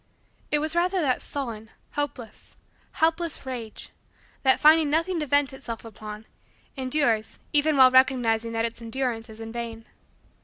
It was rather that sullen, hopeless, helpless rage, that, finding nothing to vent itself upon, endures even while recognizing that its endurance is in vain.